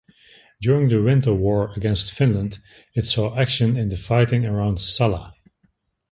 During the Winter War against Finland it saw action in the fighting around Salla.